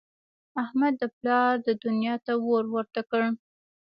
احمد د پلار دونیا ته اور ورته کړ.